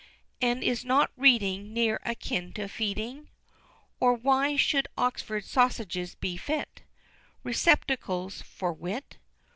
And is not reading near akin to feeding, Or why should Oxford Sausages be fit Receptacles for wit?